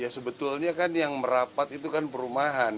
sebetulnya kan yang merapat itu kan perumahan